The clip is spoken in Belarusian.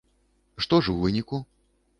Што ж у выніку?